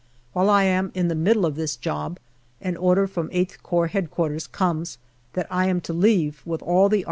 While I am in the middle of this job, an order from VIII Corps H.Q. comes that I am to leave with all the A.S.